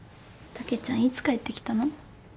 たけちゃんいつ帰ってきたの？